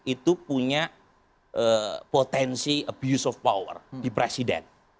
itu punya potensi abuse of power di presiden